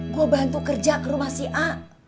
gue bantu kerja ke rumah si a